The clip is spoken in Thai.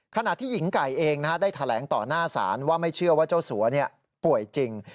ขณะที่หญิงไก่เองได้แถลงต่อหน้าศาลว่าไม่เชื่อว่าเจ้าสัวป่วยจริง